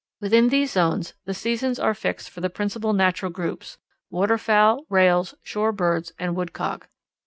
Within these zones the seasons are fixed for the principal natural groups, water fowl, Rails, shore birds, and Woodcock.